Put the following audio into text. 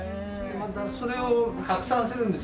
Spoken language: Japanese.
またそれを拡散するんですよ。